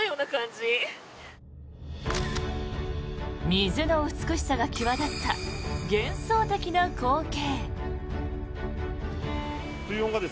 水の美しさが際立った幻想的な光景。